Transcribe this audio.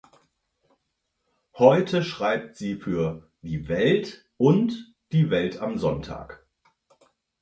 Heute schreibt sie für "Die Welt" und die "Welt am Sonntag".